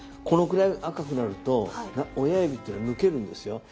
このくらい赤くなると親指っていうのは抜けるんですよ。